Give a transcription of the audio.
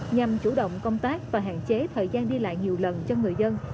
nhằm chủ động công tác và hạn chế thời gian đi lại nhiều lần cho người dân